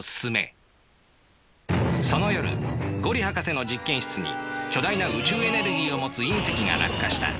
その夜五里博士の実験室に巨大な宇宙エネルギーを持つ隕石が落下した。